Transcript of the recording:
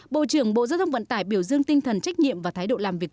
bộ trưởng bộ giao thông vận tải biểu dương tinh thần trách nhiệm và thái độ làm việc